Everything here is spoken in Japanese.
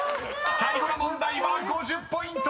［最後の問題は５０ポイント！］